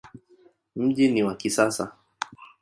Mji ni wa kisasa.